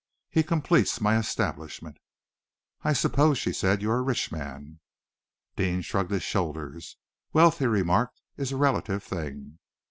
"He completes my establishment." "I suppose," she said, "you are a rich man." Deane shrugged his shoulders. "Wealth," he remarked, "is a relative thing."